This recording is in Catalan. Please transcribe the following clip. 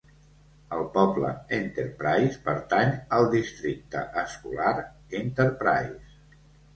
El poble Enterprise pertany al districte escolar Enterprise.